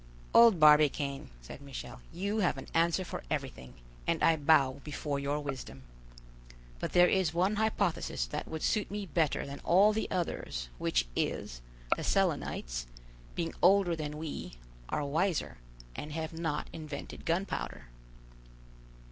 "Old Barbicane," said Michel, "you have an answer for everything, and I bow before your wisdom. But there is one hypothesis that would suit me better than all the others, which is, the Selenites, being older than we, are wiser, and have not invented gunpowder."